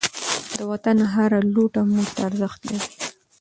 د وطن هر لوټه موږ ته ارزښت لري.